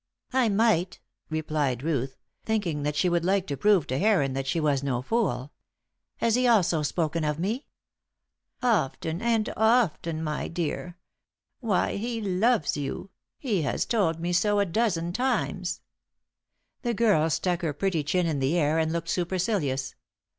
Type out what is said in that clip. "I might," replied Ruth, thinking that she would like to prove to Heron that she was no fool. "Has he also spoken of me?" "Often and often, my dear. Why, he loves you; he has told me so a dozen times." The girl stuck her pretty chin in the air and looked supercilious.